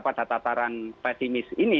pada tataran pesimis ini